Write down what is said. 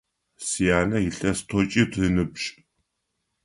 Сянэ илъэс тӏокӏитӏу ыныбжь.